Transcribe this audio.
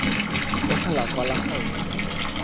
ও খালা, কলা খাও?